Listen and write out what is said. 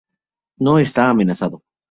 No está amenazado.